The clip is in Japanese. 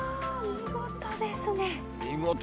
見事ですね。